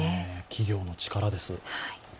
企業の力です。